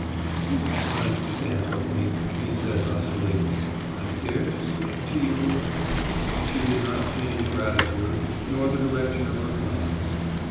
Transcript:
"You were kind to dance with me," he said huskily. "I dared to speak to you " She did not change her attitude nor the direction of her glance.